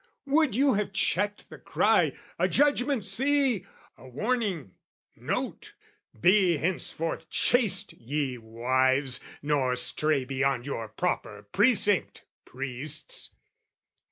Would you have checked the cry "A judgment, see! "A warning, note! Be henceforth chaste, ye wives, "Nor stray beyond your proper precinct, priests!"